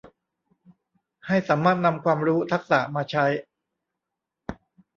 ให้สามารถนำความรู้ทักษะมาใช้